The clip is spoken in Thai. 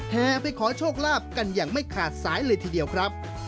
แห่ไปขอโชคลาภกันอย่างไม่ขาดสายเลยทีเดียวครับ